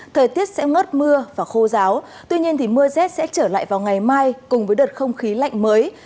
thời tiết sẽ ngớt mưa và khô giáo tuy nhiên mưa rét sẽ trở lại vào ngày mai cùng với đợt không khí lạnh mới